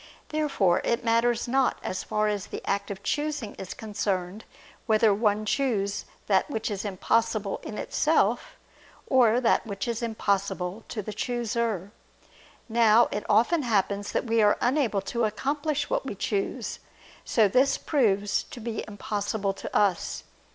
Therefore it matters not, as far as the act of choosing is concerned, whether one choose that which is impossible in itself, or that which is impossible to the chooser. Now it often happens that we are unable to accomplish what we choose: so that this proves to be impossible to us.